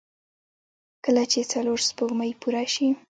کله چې څلور سپوږمۍ پوره شي.